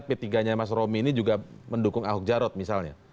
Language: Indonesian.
p tiga nya mas romi ini juga mendukung ahok jarot misalnya